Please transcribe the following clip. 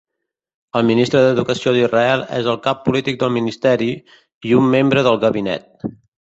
El Ministre d'Educació d'Israel és el cap polític del ministeri, i un membre del gabinet.